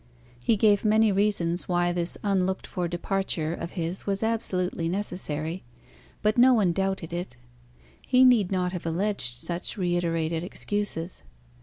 He gave many reasons why this unlooked for departure of his was absolutely necessary; but no one doubted it. He need not have alleged such reiterated excuses.